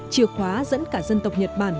chìa khóa dẫn cả dân tộc nhật bản